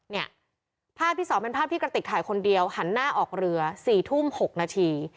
เนี่ยภาพที่๒เป็นภาพที่กระติกถ่ายคนเดียวหันหน้าออกเรือ๔ทุ่ม๖นาที